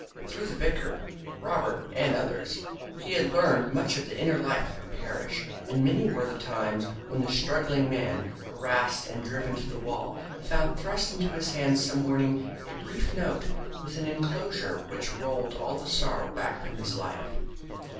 Through the vicar, Robert, and others, he had learned much of the inner life of the parish, and many were the times when the struggling man, harassed and driven to the wall, found thrust into his hand some morning a brief note with an enclosure which rolled all the sorrow back from his life.